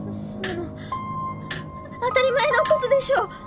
当たり前のことでしょ。